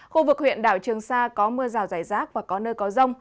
khu vực huyện đảo trường sa có mưa rào rải rác và có nơi có rông